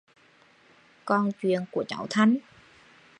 Còn chuyện của cháu thanh